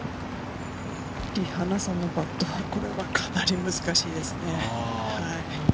リ・ハナさんのパット、これはかなり難しいですね。